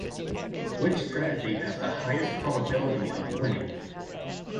Which strategy has the highest probability of winning?